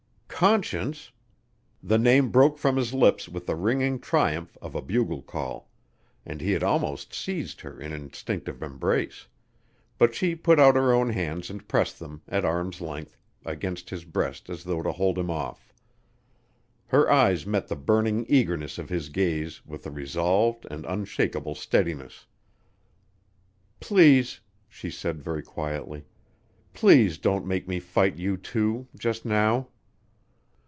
"Conscience!" The name broke from his lips with the ringing triumph of a bugle call, and he had almost seized her in instinctive embrace, but she put out her own hands and pressed them, at arms length, against his breast as though to hold him off. Her eyes met the burning eagerness of his gaze with a resolved and unshakable steadiness. "Please " she said very quietly. "Please don't make me fight you, too just now."